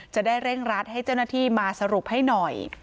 จะได้เร่งรัดให้เจ้าหน้าที่มาสรุปให้หน่อย